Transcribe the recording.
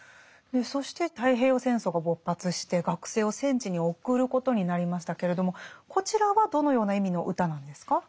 そして太平洋戦争が勃発して学生を戦地に送ることになりましたけれどもこちらはどのような意味の歌なんですか？